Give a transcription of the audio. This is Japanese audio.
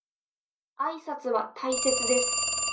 挨拶は大切です。